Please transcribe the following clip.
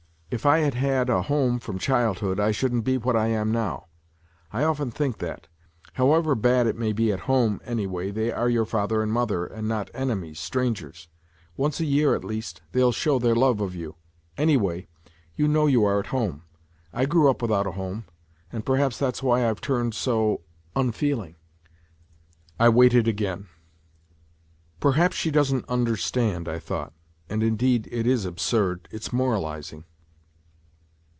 If I had had a home from childhood, I shouldn't be what I am now. I often think that. However bad it may be at home, anyway they are your father and mother, and not enemies, strangers. Once a year at least, they'll show their love of you. Anyway, you know you are at home. I grew up without a home; and perhaps that's why I've turned so ... unfeeling." I waited again. " Perhaps she doesn't understand," I thought, " and, indeed, it is absurd it's moralizing."